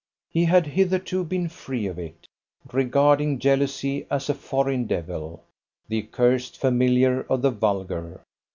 He had hitherto been free of it, regarding jealousy as a foreign devil, the accursed familiar of the vulgar.